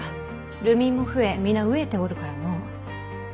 流民も増え皆飢えておるからの。